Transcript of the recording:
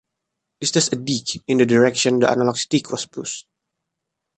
This does a deke in the direction the analog stick was pushed.